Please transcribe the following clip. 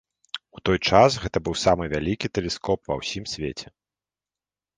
У той час гэта быў самы вялікі тэлескоп ва ўсім свеце.